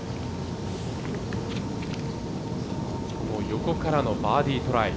横からのバーディートライ。